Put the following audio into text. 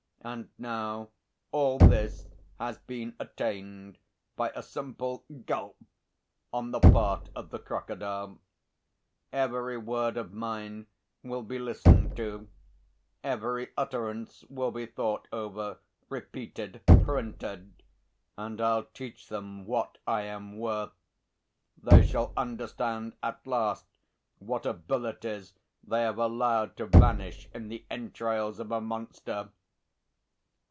And now all this has been attained by a simple gulp on the part of the crocodile. Every word of mine will be listened to, every utterance will be thought over, repeated, printed. And I'll teach them what I am worth! They shall understand at last what abilities they have allowed to vanish in the entrails of a monster.